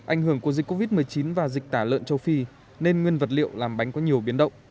ảnh hưởng của dịch covid một mươi chín và dịch tả lợn châu phi nên nguyên vật liệu làm bánh có nhiều biến động